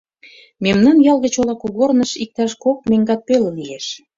Мемнан ял гыч ола кугорныш иктаж кок меҥгат пеле лиеш.